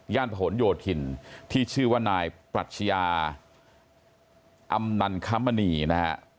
ผนโยธินที่ชื่อว่านายปรัชญาอำนันคมณีนะฮะ